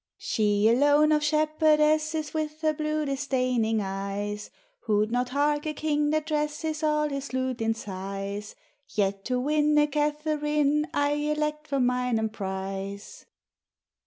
She alone of Shepherdesses With her blue disdayning eyes, Wo'd not hark a Kyng that dresses All his lute in sighes: Yet to winne Katheryn, I elect for mine Emprise.